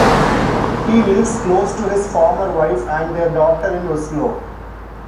He lives close to his former wife and their daughter in Oslo.